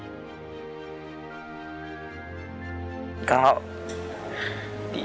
นอกจากนักเตะรุ่นใหม่จะเข้ามาเป็นตัวขับเคลื่อนทีมชาติไทยชุดนี้แล้ว